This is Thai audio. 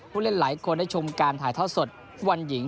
ทุกคนได้ชมการถ่ายท่อสดวันหญิง